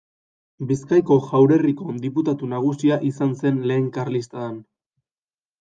Bizkaiko Jaurerriko Diputatu Nagusia izan zen Lehen Karlistadan.